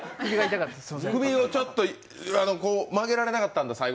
首を曲げられなかったの？